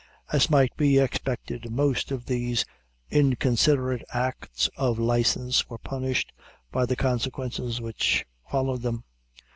As might be expected, most of these inconsiderate acts of license were punished by the consequences which followed them.